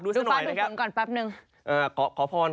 ดูฟังถูกฝนก่อนแป๊บหนึ่ง